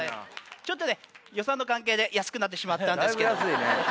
ちょっとね予算の関係で安くなってしまったんですけど。